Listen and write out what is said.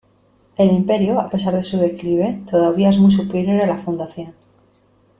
El Imperio, a pesar de su declive, todavía es muy superior a la Fundación.